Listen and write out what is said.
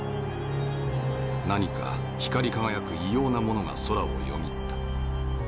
「何か光り輝く異様なものが空をよぎった。